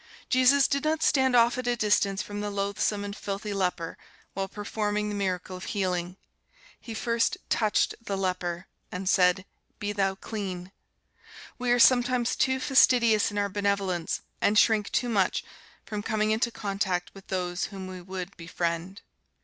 Jesus did not stand off at a distance from the loathsome and filthy leper, while performing the miracle of healing. He first "touched" the leper, and said, "Be thou clean." We are sometimes too fastidious in our benevolence, and shrink too much from coming into contact with those whom we would befriend.